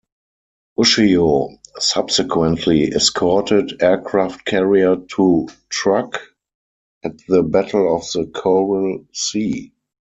"Ushio" subsequently escorted aircraft carrier to Truk, at the Battle of the Coral Sea.